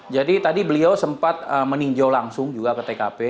jadi tadi beliau sempat meninjau langsung juga ke tkp